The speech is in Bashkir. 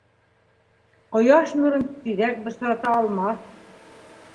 Ҡояш нурын тиҙәк бысрата алмаҫ